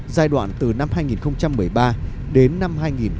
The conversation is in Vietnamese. giai đoạn từ năm hai nghìn một mươi ba đến năm hai nghìn một mươi bảy